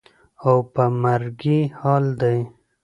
او په مرګي حال دى.